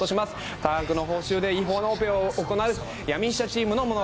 多額の報酬で違法のオペを行う闇医者チームの物語。